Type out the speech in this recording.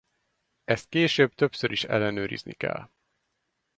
Ezt később többször is ellenőrizni kell.